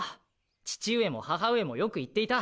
父上も母上もよく言っていた。